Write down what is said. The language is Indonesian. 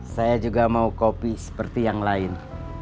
saya juga mau kopi seperti yang lain